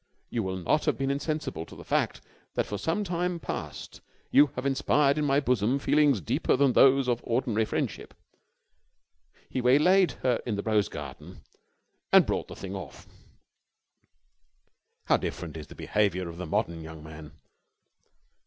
you will not have been insensible to the fact that for some time past you have inspired in my bosom feelings deeper than those of ordinary friendship...." he waylaid her in the rose garden and brought the thing off. How different is the behaviour of the modern young man.